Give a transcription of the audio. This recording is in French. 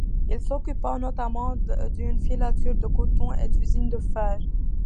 Il s'occupa notamment d'une filature de coton et d'usines de fer.